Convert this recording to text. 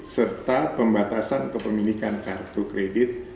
serta pembatasan kepemilikan kartu kredit